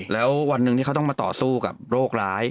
แล้ววันหนึ่งที่เขาต้องมาต่อสู้กับโรคร้าย